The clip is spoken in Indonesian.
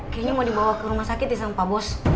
kayaknya mau dibawa ke rumah sakit ya sama pak bos